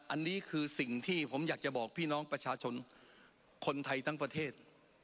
อันนี้คือสิ่งที่ผมอยากจะบอกพี่น้องประชาชนคนไทยทั้งประเทศ